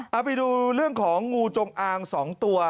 เอาไปดูเรื่องของงูจงอาง๒ตัว